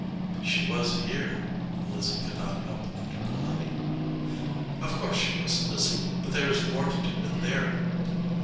"She was here," Lizzie could not help inter polating. "Of course she was, Lizzie, but there is more to do with there.